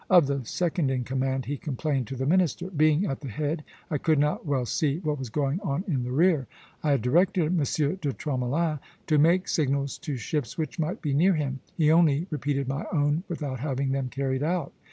Of the second in command he complained to the minister: "Being at the head, I could not well see what was going on in the rear. I had directed M. de Tromelin to make signals to ships which might be near him; he only repeated my own without having them carried out."